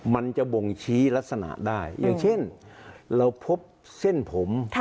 มันจะบ่งชี้ลักษณะได้อย่างเช่นเราพบเส้นผม